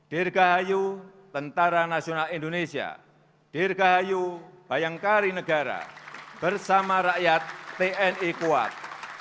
dirgahayu tni dirgahayu bayangkari negara bersama rakyat tni kuat